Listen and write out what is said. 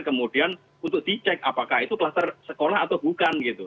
kemudian untuk dicek apakah itu kluster sekolah atau bukan gitu